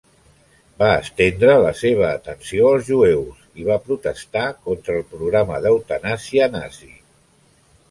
Va estendre la seva atenció als jueus i va protestar contra el programa d'eutanàsia nazi.